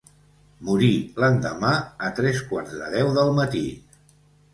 Morí l'endemà a tres quarts de deu del matí.